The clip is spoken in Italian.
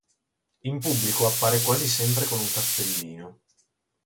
In pubblico appare quasi sempre con un cappellino.